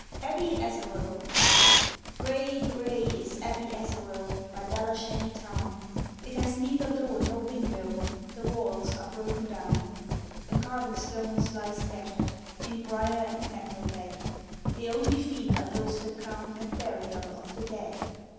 ABBEY ASAROE Gray, gray is Abbey Asaroe, by Belashanny town, It has neither door nor window, the walls are broken down; The carven stones lie scatter'd in briar and nettle bed; The only feet are those that come at burial of the dead.